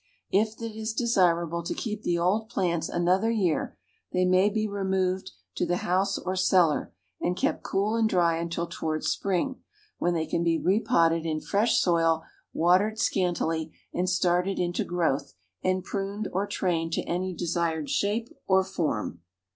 If it is desirable to keep the old plants another year they may be removed to the house or cellar, and kept cool and dry until toward spring, when they can be repotted in fresh soil, watered scantily, and started into growth and pruned or trained to any desired shape or form.